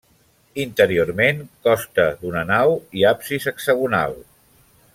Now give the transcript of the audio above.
Interiorment costa d'una nau i absis hexagonal.